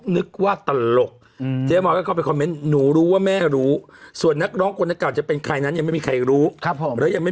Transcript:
เมามาก็นั่งมันเป็นอะไร